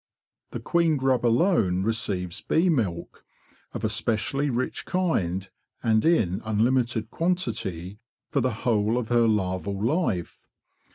The queen grub alone receives bee milk, of a specially rich kind and in unlimited quantity, for the whole of her larval life.